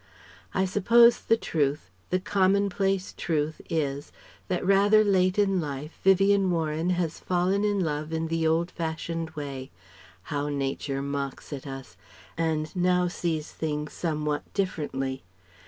I suppose the truth, the commonplace truth is, that rather late in life, Vivien Warren has fallen in love in the old fashioned way How Nature mocks at us! and now sees things somewhat differently.